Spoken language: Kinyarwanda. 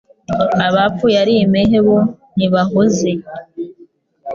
Abapfuye ari impehe bo ntibahoze